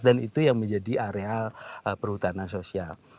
dan itu yang menjadi area perhutanan sosial